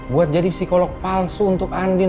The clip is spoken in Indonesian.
buat jadi psikolog palsu untuk andin